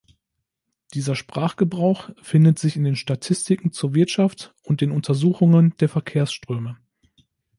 Dieser Sprachgebrauch findet sich in den Statistiken zur Wirtschaft und den Untersuchungen der Verkehrsströme.